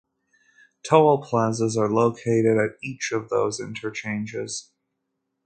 Toll plazas are located at each of those interchanges.